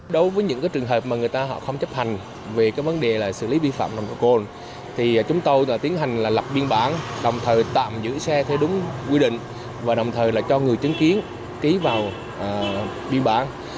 đối với những trường hợp mà người ta không chấp hành về vấn đề xử lý vi phạm nồng độ cồn chúng tôi tiến hành lập biên bản đồng thời tạm giữ xe theo đúng quy định và đồng thời cho người chứng kiến ký vào biên bản